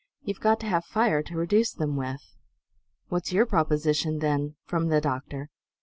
You've got to have fire to reduce them with." "What's your proposition, then?" from the doctor.